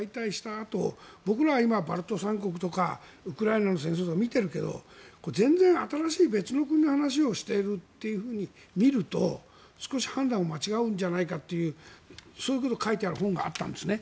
あと僕ら、今、バルト三国とかウクライナの戦争とか見てるけど全然新しい別の国の話をしているというふうに見ると少し判断を間違うんじゃないかとそういうことを書いてある本があったんですね。